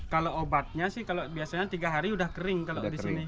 kalau obatnya sih kalau biasanya tiga hari udah kering kalau di sini